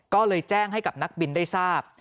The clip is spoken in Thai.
ก็เลยแจ้งให้กับนักบินได้ทราบ